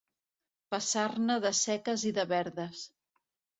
Passar-ne de seques i de verdes.